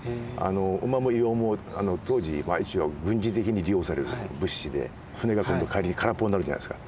馬も硫黄も当時一応軍事的に利用される物資で船が今度帰りに空っぽになるじゃないですか。